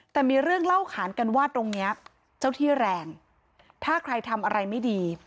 แต่มีเรื่องเล่าขานกันว่าตรงเนี้ยเจ้าที่แรงถ้าใครทำอะไรไม่ดี